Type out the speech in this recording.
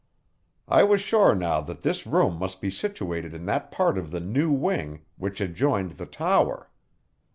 I was sure now that this room must be situated in that part of the new wing which adjoined the tower.